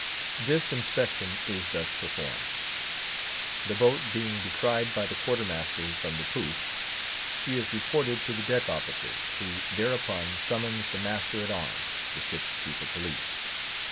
This inspection is thus performed: The boat being descried by the quarter master from the poop, she is reported to the deck officer, who thereupon summons the master at arms, the ship's chief of police.